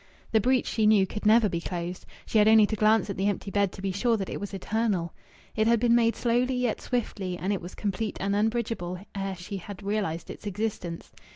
The breach, she knew, could never be closed. She had only to glance at the empty bed to be sure that it was eternal. It had been made slowly yet swiftly; and it was complete and unbridgable ere she had realized its existence.